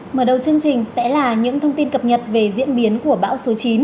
mở đầu chương trình sẽ là những thông tin cập nhật về diễn biến của bão số chín